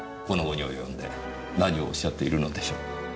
この期に及んで何をおっしゃっているのでしょう？